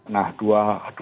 nah dua hal tadi